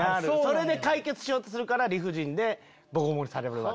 それで解決しようとするから理不尽でボコボコにされる。